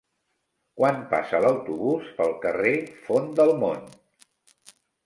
Quan passa l'autobús pel carrer Font del Mont?